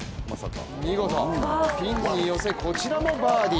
見事ピンに寄せこちらもバーディー。